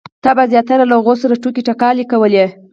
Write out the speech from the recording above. تا به زیاتره له هغو سره ټوکې ټکالې کولې.